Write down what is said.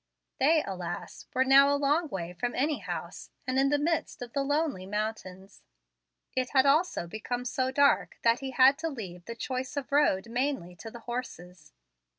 They, alas! were now a long way from any house, and in the midst of the lonely mountains. It had also become so dark that he had to leave the choice of the road mainly to the horses.